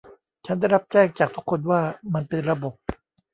ฉันได้รับแจ้งจากทุกคนว่า มันเป็นระบบ